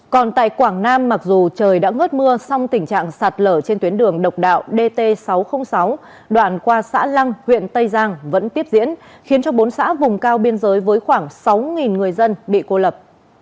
còn tại quảng nam mặc dù trời đã ngớt mưa song tình trạng sạt lở trên tuyến đường độc đạo dt sáu trăm linh sáu đoạn qua xã lăng huyện tây giang vẫn tiếp diễn khiến cho bốn xã vùng cao biên giới với khoảng sáu người dân bị cô lập